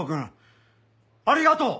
ありがとう！